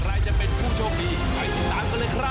ใครจะเป็นผู้โชคดีไปติดตามกันเลยครับ